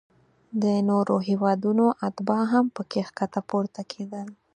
د نورو هیوادونو اتباع هم پکې ښکته پورته کیدل.